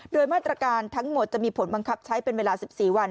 โดยมาตรการทั้งหมดจะมีผลบังคับใช้เป็นเวลา๑๔วัน